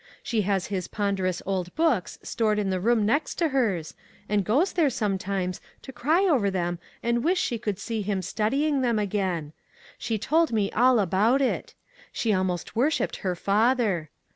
She has his ponderous old books stored in the room next to hers, and goes there, sometimes, to cry over them and wish she could see him studying them again. She told me all about it. She almost worshipped her father.